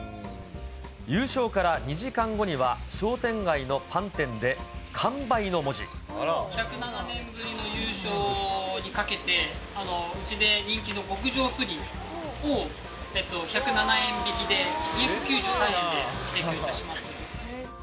優勝から２時間後には、１０７年ぶりの優勝にかけて、うちで人気の極上プリンを１０７円引きで、２９３円で提供します。